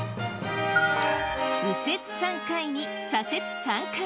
右折３回に左折３回。